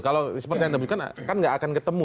kalau seperti yang anda katakan kan tidak akan ketemu